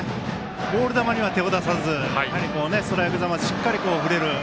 ボール球には手を出さずストライクゾーンをしっかり振れる。